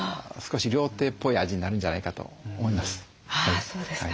あそうですか。